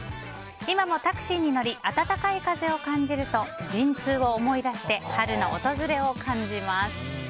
今もタクシーに乗り温かい風を感じると陣痛を思い出して春の訪れを感じます。